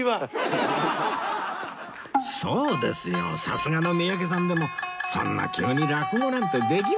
さすがの三宅さんでもそんな急に落語なんてできませんよ！